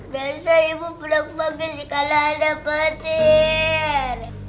biasa ibu penakut banget sih kalau ada petir